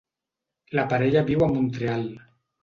La parella viu a Montreal.